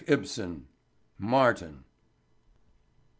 IBSEN. MARTIN.